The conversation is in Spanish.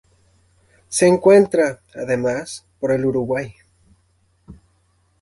Se encuentra, además, por el Uruguay.